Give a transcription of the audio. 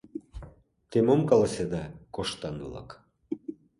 Те мом каласеда, коштан-влак?